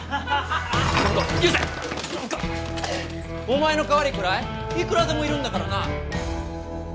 お前の代わりくらいいくらでもいるんだからな！